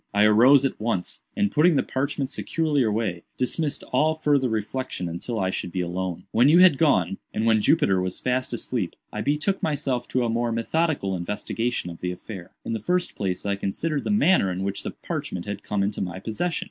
I arose at once, and putting the parchment securely away, dismissed all farther reflection until I should be alone. "When you had gone, and when Jupiter was fast asleep, I betook myself to a more methodical investigation of the affair. In the first place I considered the manner in which the parchment had come into my possession.